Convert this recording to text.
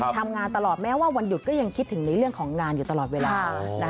ทำงานตลอดแม้ว่าวันหยุดก็ยังคิดถึงในเรื่องของงานอยู่ตลอดเวลา